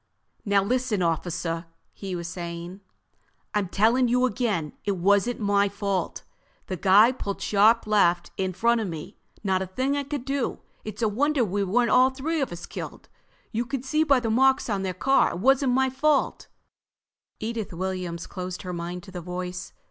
"Now listen, officer," he was saying, "I'm telling you again, it wasn't my fault. The guy pulled sharp left right in front of me. Not a thing I could do. It's a wonder we weren't all three of us killed. You can see by the marks on their car it wasn't my fault—" Edith Williams closed her mind to the voice.